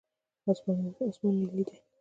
اسمان نیلي دی.